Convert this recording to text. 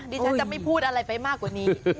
ดิฉันจะไม่พูดอะไรไปมากกว่านี้